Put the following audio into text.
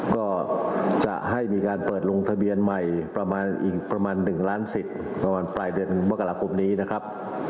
ก็จะให้มีการเปิดลงทะเบียนใหม่ประมาณอีก๑ล้านสิตปรายเดือนเมือกรกรกภ์นี้นะครับ